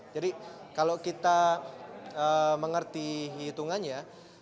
jadi kalau kita mengerti hitungannya